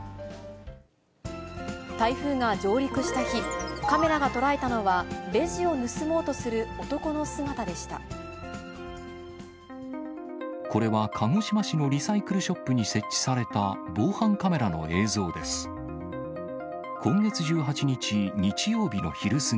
台風が上陸した日、カメラが捉えたのは、これは、鹿児島市のリサイクルショップに設置された防犯カメラの映像です。